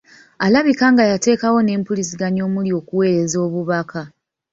Alabika nga yateekawo n'empuliziganya omuli okuweereza obubaka